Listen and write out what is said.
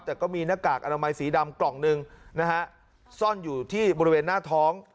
แต่ก็มีหน้ากากอนามัยสีดำกล่องหนึ่งนะฮะซ่อนอยู่ที่บริเวณหน้าท้อง